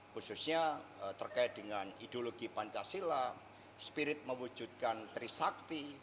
khususnya terkait dengan ideologi pancasila spirit mewujudkan trisakti